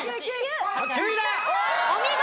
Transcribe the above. お見事！